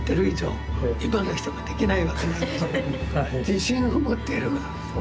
自信を持ってやること。